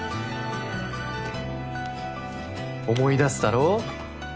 思い出すだろ？